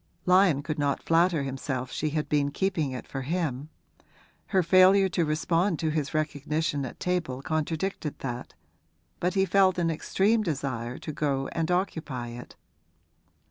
Lyon could not flatter himself she had been keeping it for him; her failure to respond to his recognition at table contradicted that, but he felt an extreme desire to go and occupy it.